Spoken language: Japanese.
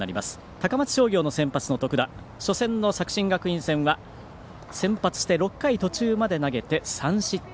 高松商業の先発の徳田初戦の作新学院戦は、先発して６回途中まで投げて３失点。